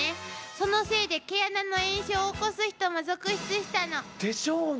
そのせいで毛穴の炎症を起こす人も続出したの。でしょうね。